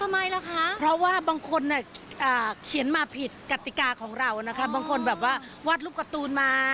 ไม่ต้องมาผิดกติกาของเรานะคะบางคนแบบว่าวัดรูปการ์ตูนมา